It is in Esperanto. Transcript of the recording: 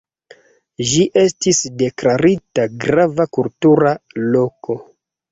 Ĝi estis deklarita Grava Kultura Loko.